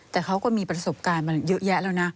แต่เขาก็มีประสบการณ์มาเยอะแยะแล้วนะ